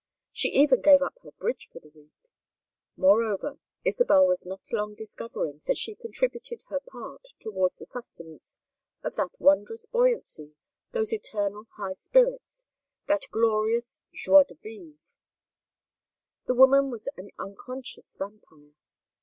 She even gave up bridge for the week. Moreover, Isabel was not long discovering that she contributed her part towards the sustenance of that wondrous buoyancy, those eternal high spirits, that glorious joie de vivre. The woman was an unconscious vampire.